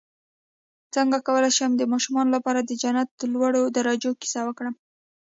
څنګه کولی شم د ماشومانو لپاره د جنت لوړو درجو کیسه وکړم